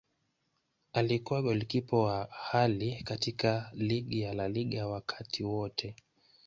Akiwa golikipa wa ghali katika ligi ya La Liga wakati wote.